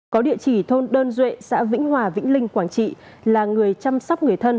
có địa chỉ thôn đơn duệ xã vĩnh hòa vĩnh linh quảng trị là người chăm sóc người thân